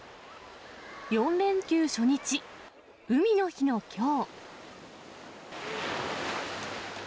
４連休初日、海の日のきょう。